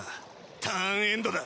ターンエンドだ。